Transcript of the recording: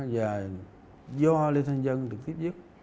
và do lê thanh vân được tiếp giúp